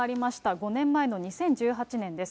５年前の２０１８年です。